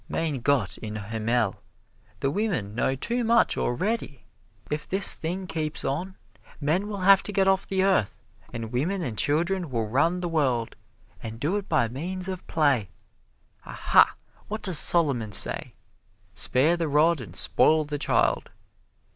Mein Gott in Himmel, the women know too much, already! If this thing keeps on, men will have to get off the earth, and women and children will run the world, and do it by means of play. Aha! What does Solomon say? Spare the rod and spoil the child.